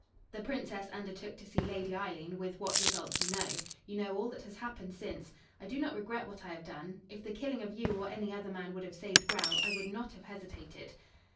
"The Princess undertook to see Lady Eileen with what result you know. You know all that has happened since. I do not regret what I have done. If the killing of you or any other man would have saved Grell, I would not have hesitated."